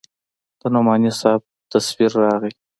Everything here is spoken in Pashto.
د نعماني صاحب تصوير راغى.